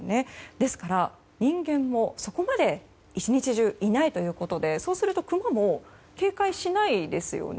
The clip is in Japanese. ですから、人間もそこまで１日中、いないということでそうするとクマも警戒しないですよね。